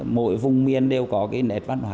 mỗi vùng miền đều có cái nét văn hóa